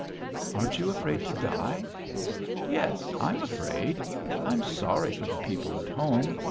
"Aren't you afraid to die?" "Yes. I'm afraid. I'm sorry for the people at home.